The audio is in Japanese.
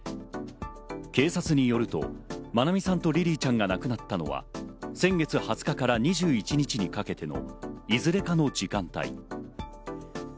警察によると、愛美さんとリリィちゃんが亡くなったのは先月２０日から２１日にかけてのいずれかの時間帯。